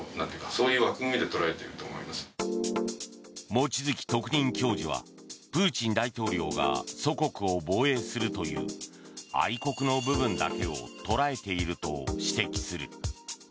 望月特任教授はプーチン大統領が祖国を防衛するという愛国の部分だけを捉えていると指摘する。